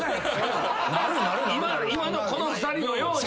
今のこの２人のように。